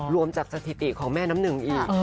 รวมจากสถิติของแม่น้ำหนึ่งอีก